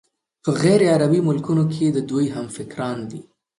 په غیرعربي ملکونو کې د دوی همفکران دي.